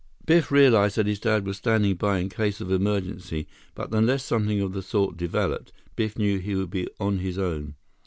Biff realized that his dad was standing by in case of emergency, but unless something of the sort developed, Biff knew he would be on his own.